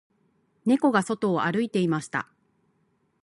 猫が外を歩いていました